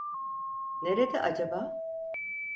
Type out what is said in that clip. Nerede acaba?